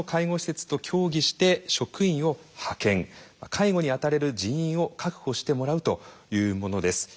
介護にあたれる人員を確保してもらうというものです。